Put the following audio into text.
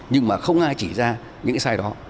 nhưng mà không ai chỉ ra những cái sai đó